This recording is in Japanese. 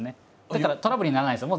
だからトラブルにならないんですよ。